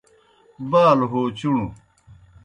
بالوْ ہو چُݨوْ